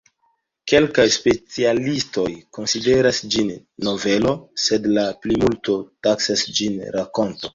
Kelkaj specialistoj konsideras ĝin novelo, sed la plimulto taksas ĝin rakonto.